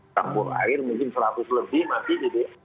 tambur air mungkin seratus lebih mati jadi